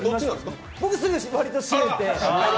僕はすぐわりと閉めて。